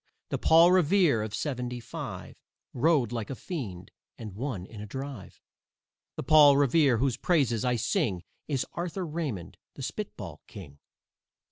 The Paul Revere of "seventy five" Rode like a fiend and won in a drive. The Paul Revere whose praises I sing Is Arthur Raymond, the spitball king.